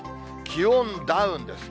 気温ダウンです。